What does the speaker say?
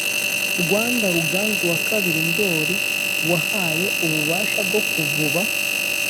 rwanda ruganzu wa kabiri ndori wahaye ububasha bwo kuvuba